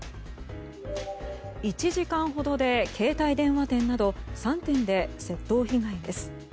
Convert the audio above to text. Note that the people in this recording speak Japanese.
１時間ほどで携帯電話店など３店で窃盗被害です。